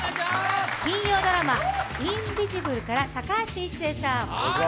金曜ドラマ「インビジブル」から高橋一生さん。